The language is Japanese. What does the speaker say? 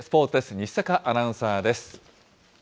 西阪アナウンサーです。